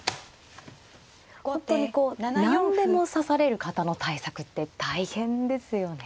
本当にこう何でも指される方の対策って大変ですよね。